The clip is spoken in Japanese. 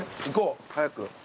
行こう早く。